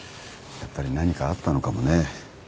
やっぱり何かあったのかもね。